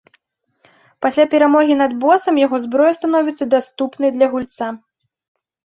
Пасля перамогі над босам яго зброя становіцца даступнай для гульца.